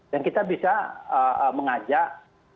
dan kita bisa mengajak